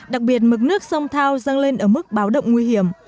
đặc biệt mực nước sông thao dâng lên ở mức báo động nguy hiểm